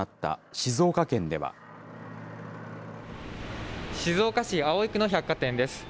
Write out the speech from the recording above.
静岡市葵区の百貨店です。